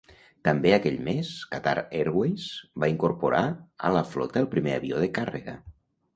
També aquell més, Qatar Airways va incorporar a la flota el primer avió de càrrega.